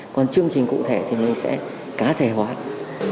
còn chương trình cụ thể thì mình sẽ cá thể hóa